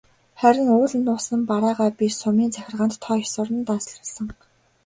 Харин ууланд нуусан бараагаа би сумын захиргаанд тоо ёсоор нь данслуулсан.